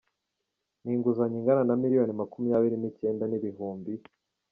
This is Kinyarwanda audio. n‟inguzanyo ingana na miliyoni makumyabiri n‟icyenda n‟ibihumbi